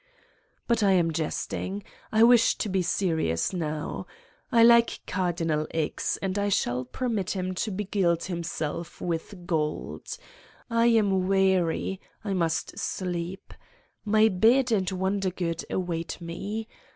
But I am jesting. I wish to be serious now. I like Cardinal X. and I shall permit him to be gild himself with my gold. I am weary. I must sleep. My bed and Wondergood await me.